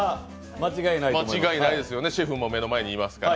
間違いないですね、シェフも目の前にいますから。